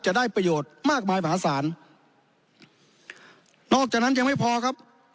จะได้ประโยชน์มากมายมหาศาลนอกจากนั้นยังไม่พอครับ